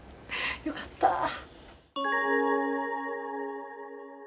よかった。